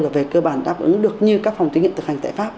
là về cơ bản đáp ứng được như các phòng thí nghiệm thực hành tại pháp